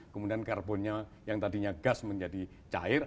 kemudian karbonnya yang tadinya gas menjadi cair